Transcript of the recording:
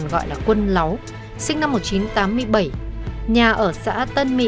giá nào cũng chấp nhận